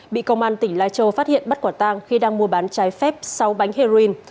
bị công an tỉnh lai châu phát hiện bắt quả tang khi đang mua bán trái phép sáu bánh heroin